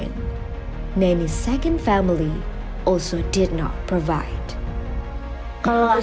keluarga kedua nanny juga tidak memberikan kebutuhan